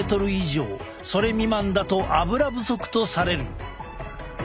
それ未満だとアブラ不足とされる。